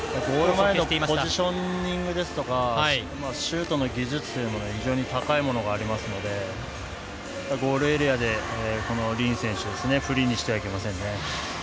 ゴール前のポジショニングですとかシュートの技術が非常に高いものがありますので、ゴールエリアでリン選手をフリーにしてはいけませんね。